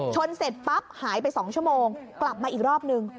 เสร็จปั๊บหายไป๒ชั่วโมงกลับมาอีกรอบนึง